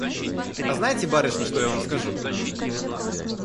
А знаете, барышни, что я вам скажу?